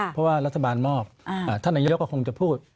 เพราะว่ารัฐบาลมอบท่านนายกก็คงจะพูด